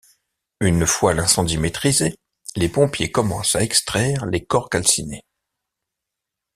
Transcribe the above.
Une fois l'incendie maitrisé, les pompiers commencent à extraire les corps calcinés.